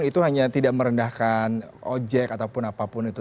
itu hanya tidak merendahkan ojek ataupun apapun itu